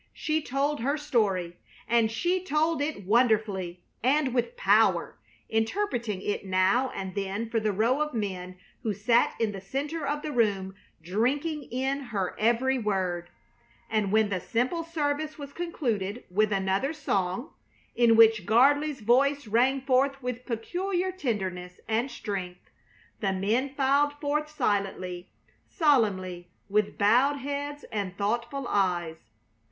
She told her story, and she told it wonderfully and with power, interpreting it now and then for the row of men who sat in the center of the room drinking in her every word; and when the simple service was concluded with another song, in which Gardley's voice rang forth with peculiar tenderness and strength, the men filed forth silently, solemnly, with bowed heads and thoughtful eyes.